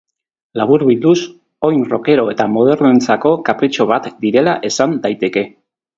Laburbilduz, oin rockero eta modernoentzako kapritxo bat direla esan daiteke.